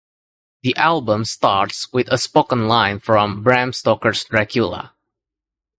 The album starts with a spoken line from "Bram Stoker's Dracula".